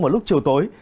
vào lúc chiều tối